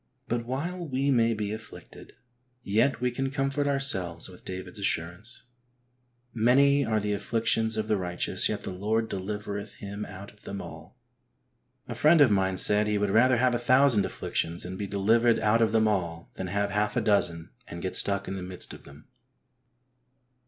But while we may be afflicted, yet we can comfort ourselves with David's assurance, '' Many are the afflictions of the righteous, yet the Lord delivereth him out of them all." A friend of mine said he would rather have a thousand afflictions and be delivered out of them all, than have half a dozen and get stuck in the midst of them.